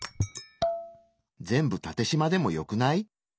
全部タテしまでもよくない？